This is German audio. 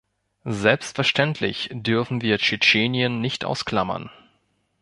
Selbstverständlich dürfen wir Tschetschenien nicht ausklammern.